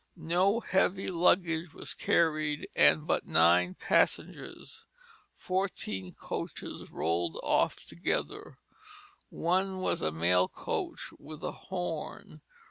No heavy luggage was carried and but nine passengers; fourteen coaches rolled off together one was a mail coach with a horn.